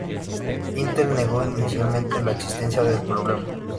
Intel negó inicialmente la existencia del problema.